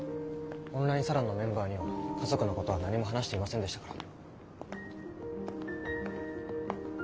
オンラインサロンのメンバーには家族のことは何も話していませんでしたから。